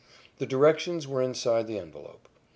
The directions were inside the envelope.